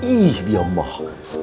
ih dia mah